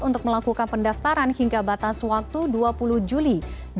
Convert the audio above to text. untuk melakukan pendaftaran hingga batas waktu dua puluh juli dua ribu dua puluh